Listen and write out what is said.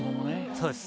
そうです。